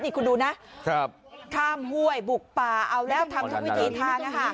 นี่คุณดูนะครับข้ามห้วยบุกป่าเอาแล้วทำทั้งวิธีทางนะฮะ